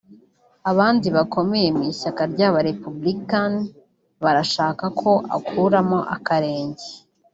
abandi bakomeye mu ishyaka ry’abarepubulikani barashaka ko akuramo akarenge